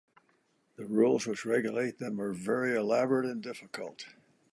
The rules which regulate them are very elaborate and difficult.